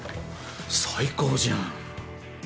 最高じゃん。